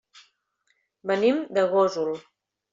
Venim de Gósol.